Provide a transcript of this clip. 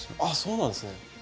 あっそうなんですね。